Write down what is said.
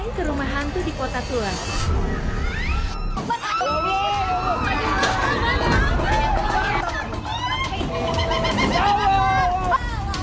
ke rumah hantu di kota tua